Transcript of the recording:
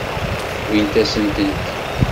Wwint-asen-tent-id.